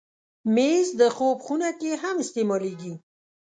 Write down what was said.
مېز د خوب خونه کې هم استعمالېږي.